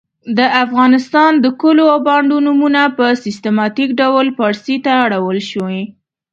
د افغانستان د کلو او بانډو نومونه په سیستماتیک ډول پاړسي ته اړول سوي .